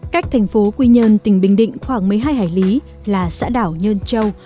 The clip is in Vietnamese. cách thành phố quy nhơn tỉnh bình định khoảng một mươi hai hải lý là xã đảo nhơn châu